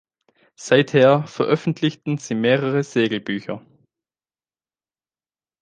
Seither veröffentlichten sie mehrere Segel-Bücher.